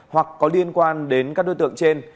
hoặc có liên quan đến các đối tượng trên